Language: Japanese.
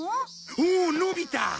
おおのび太。